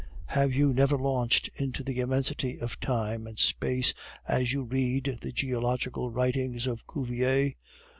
Have you never launched into the immensity of time and space as you read the geological writings of Cuvier?